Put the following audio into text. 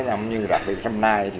như đặc biệt trong nay